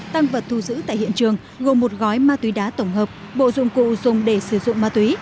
tăng vật thu giữ tại hiện trường gồm một gói ma túy đá tổng hợp bộ dụng cụ dùng để sử dụng ma túy